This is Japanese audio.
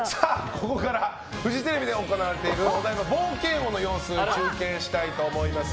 ここからフジテレビで行われているお台場冒険王の様子を中継したいと思います。